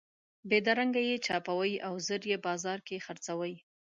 بېدرنګه یې چاپوئ او ژر یې په بازار کې خرڅوئ.